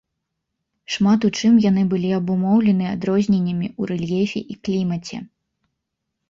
Шмат у чым яны былі абумоўлены адрозненнямі ў рэльефе і клімаце.